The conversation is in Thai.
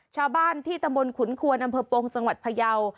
ชาวบ้านที่ตะบลขุนครัวดำเผอบพงษ์สังวัติพยาวฯ